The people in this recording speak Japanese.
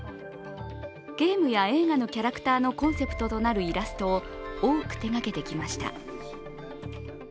ゲームや映画のキャラクターのコンセプトとなるイラストを多く手がけてきました。